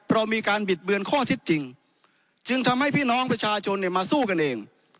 เรามีการบิดเบือนข้อเท็จจริงจึงทำให้พี่น้องประชาชนเนี่ยมาสู้กันเอง